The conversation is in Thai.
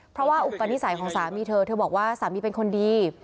เพราะว่าอุปนิสัยของสามีเธอเธอบอกว่าสามีเป็นคนดี